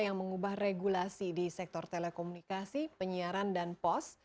yang mengubah regulasi di sektor telekomunikasi penyiaran dan pos